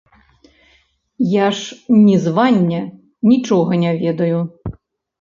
Я ж нізвання нічога не ведаю.